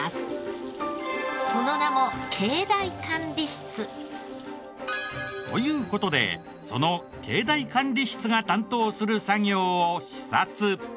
その名も境内管理室。という事でその境内管理室が担当する作業を視察。